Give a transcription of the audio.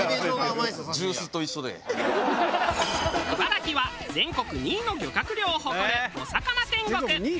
茨城は全国２位の漁獲量を誇るお魚天国。